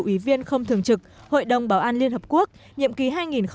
ủy viên không thường trực hội đồng bảo an liên hợp quốc nhiệm kỳ hai nghìn hai mươi hai nghìn hai mươi một